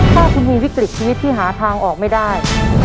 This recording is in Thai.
ถ้าคุณมีวิกฤตชีวิตที่หาทางออกไม่ได้